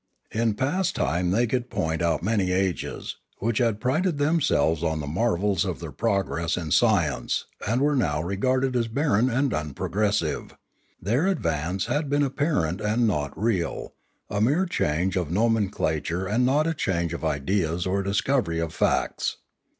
In past time they could point out many ages, which had prided themselves on the marvels of their progress in science and were now regarded as barren and unprogressive; their advance had been apparent and not real, a mere change of nomenclature and not a change of ideas or a discovery of facts.